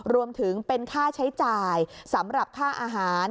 รวมถึงเป็นค่าใช้จ่ายสำหรับค่าอาหาร